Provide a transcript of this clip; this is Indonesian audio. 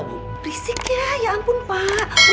berisik ya ygp mbak